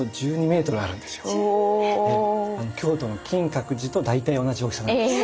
１２メートル⁉京都の金閣寺と大体同じ大きさなんです。